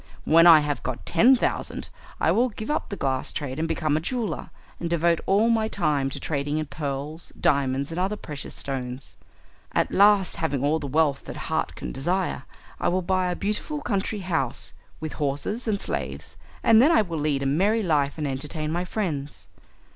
When I have got ten thousand I will give up the glass trade and become a jeweller, and devote all my time to trading in pearls, diamonds, and other precious stones. At last, having all the wealth that heart can desire, I will buy a beautiful country house, with horses and slaves, and then I will lead a merry life and entertain my friends.